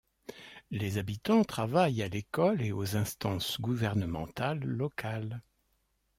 Les habitants travaillent à l'école et aux instances gouvernementales locales.